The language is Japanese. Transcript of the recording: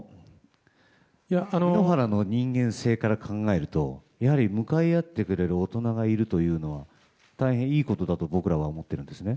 井ノ原の人間性から考えると、向かい合ってくれる大人がいるというのは大変いいことだと僕らは思っているんですね。